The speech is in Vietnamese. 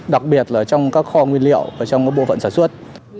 đặc biệt là trong các kho nguyên liệu và trong bộ phận sản xuất